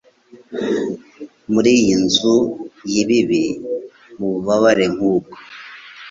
muri iyi nzu y'ibibi mububabare nk'ubwo